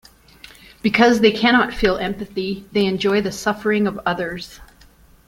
Because they cannot feel empathy they enjoy the suffering of others.